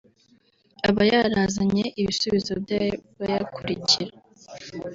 aba yaranazanye ibisubizo by’abayakurikira